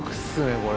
これ。